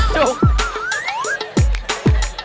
จุก